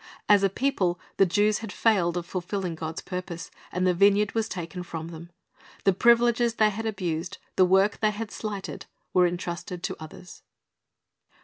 As a people the Jews had failed of fulfilling God's purpose, and the vineyard was taken from them. The privileges they had abused, the work they had slighted, was entrusted to others.